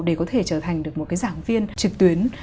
để có thể trở thành được một cái giảng viên trực tuyến